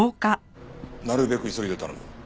なるべく急ぎで頼む。